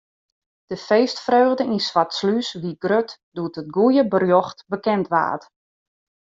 De feestfreugde yn Swartslús wie grut doe't it goede berjocht bekend waard.